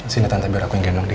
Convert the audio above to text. sini tante biar aku ingin nong di